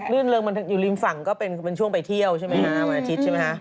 ื่นเริงมันอยู่ริมฝั่งก็เป็นช่วงไปเที่ยวใช่ไหมฮะวันอาทิตย์ใช่ไหมคะ